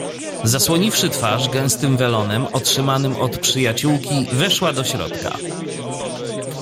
Zasłoniwszy twarz gęstym welonem, otrzymanym od przyjaciółki, weszła do środka.